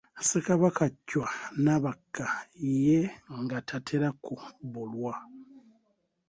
Ssekabaka Chwa Nabakka ye nga tatera kubbulwa!